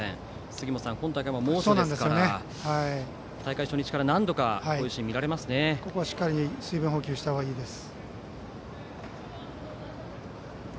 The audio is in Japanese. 杉本さん、今大会は猛暑ですから大会初日から、何度かここはしっかり水分補給したほうがいいです。